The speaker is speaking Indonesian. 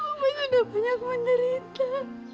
bapak sudah banyak menderita